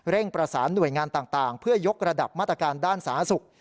ประสานหน่วยงานต่างเพื่อยกระดับมาตรการด้านสาธารณสุข